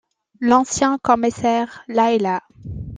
L’ancien commissaire la héla.